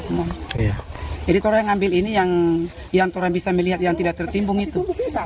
orang yang ambil ini yang orang bisa melihat yang tidak tertimbung itu